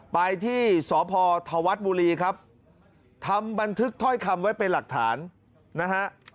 ไปที่สพธวัฒน์บุรีครับทำบันทึกถ้อยคำไว้เป็นหลักฐานนะฮะ